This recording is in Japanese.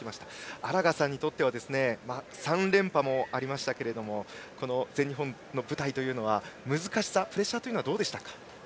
荒賀さんにとっては３連覇もありましたけれどもこの全日本の舞台は難しさ、プレッシャーはどうでしたか。